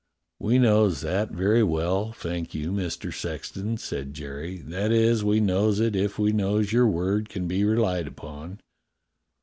"We knows that very well, thank you. Mister Sex ton," said Jerry. "That is, we knows it if we knows your word can be relied upon."